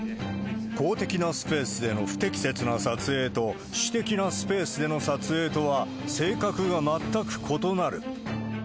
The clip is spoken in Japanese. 公的なスペースでの不適切な撮影と、私的なスペースでの撮影とは、性格が全く異なる。